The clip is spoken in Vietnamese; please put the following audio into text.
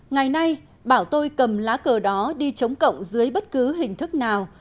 ngày nay bảo tôi cầm lá cờ đó đi chống cộng dưới bất cứ hình thức nào